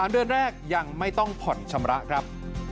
เดือนแรกยังไม่ต้องผ่อนชำระครับ